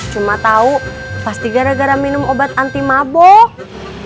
cuma tahu pasti gara gara minum obat anti maboh